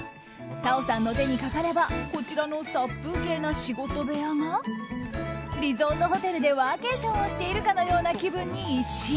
Ｔａｏさんの手にかかればこちらの殺風景な仕事部屋がリゾートホテルでワーケーションをしているかのような気分に一新。